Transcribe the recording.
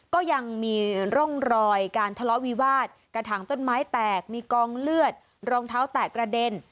ก็ยังมีร่องรอยการทะเลาะวิวาสกระถางต้นไม้แตกมีกองเลือดรองเท้าแตกกระเด็น